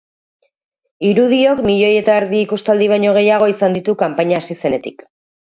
Irudiok milioi eta erdi ikustaldi baino gehiago izan ditu kanpaina hasi zenetik.